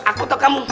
aku atau kamu